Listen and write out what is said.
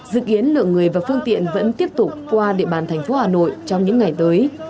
dự kiến lượng người và phương tiện vẫn tiếp tục qua địa bàn thành phố hà nội trong những ngày tới